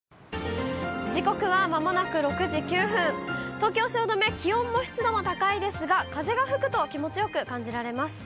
東京・汐留、気温も湿度も高いですが、風が吹くと気持ちよく感じられます。